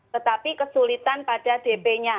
tetapi kesulitan pada dp nya